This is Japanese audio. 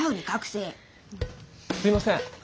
すみません。